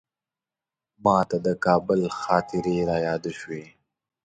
ماته د کابل خاطرې رایادې شوې.